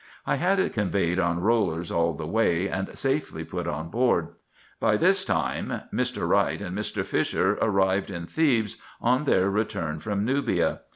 I had it conveyed on rollers all the way, and safely put on board. By this time Mr. Wright and Mr. Fisher arrived in Thebes, on their return from Nubia.